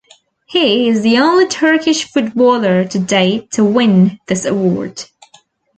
He is the only Turkish footballer to date to win this award.